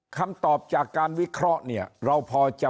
คำตอบจากการวิเคราะห์เนี่ยเราพอจะ